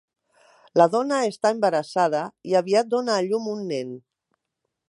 La dona està embarassada, i aviat dóna a llum un nen.